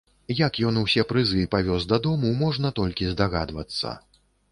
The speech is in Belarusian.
Як ён усё прызы павёз дадому, можна толькі здагадвацца.